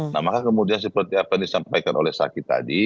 nah maka kemudian seperti apa yang disampaikan oleh saki tadi